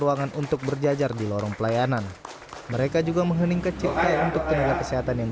ruangan untuk berjajar di lorong pelayanan mereka juga menghening kecil untuk tenaga kesehatan yang